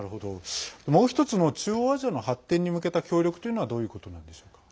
もう一つの中央アジアの発展に向けた協力というのはどういうことなんでしょうか？